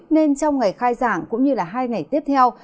nên trong ngày khai giảng cũng như là hai ngày tiếp theo